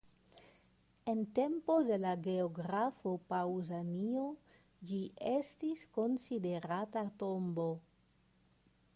En tempo de la geografo Paŭzanio ĝi estis konsiderata tombo.